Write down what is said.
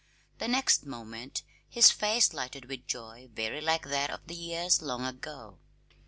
The next moment his face lighted with joy very like that of the years long ago.